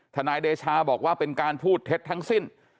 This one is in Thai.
นายเดชาบอกว่าเป็นการพูดเท็จทั้งสิ้น